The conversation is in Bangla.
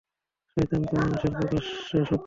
শয়তান তো মানুষের প্রকাশ্য শত্রু।